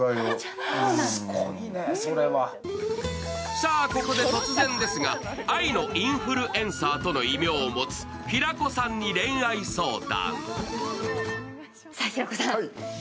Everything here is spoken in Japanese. さあ、ここで突然ですが愛のインフルエンサーとの異名を持つ平子さんに恋愛相談。